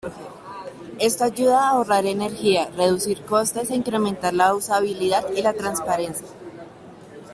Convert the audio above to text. Esto ayuda a ahorrar energía, reducir costes, e incrementar la usabilidad y la transparencia.